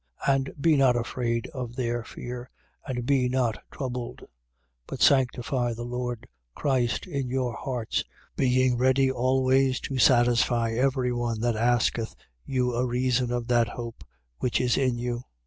And be not afraid of their fear: and be not troubled. 3:15. But sanctify the Lord Christ in your hearts, being ready always to satisfy every one that asketh you a reason of that hope which is in you.